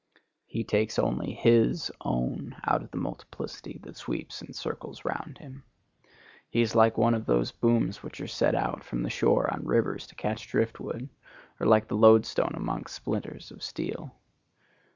He takes only his own out of the multiplicity that sweeps and circles round him. He is like one of those booms which are set out from the shore on rivers to catch drift wood, or like the loadstone amongst splinters of steel.